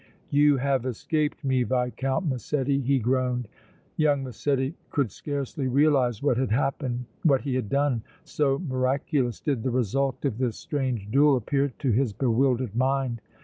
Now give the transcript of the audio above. "You have escaped me, Viscount Massetti!" he groaned. Young Massetti could scarcely realize what had happened, what he had done, so miraculous did the result of this strange duel appear to his bewildered mind.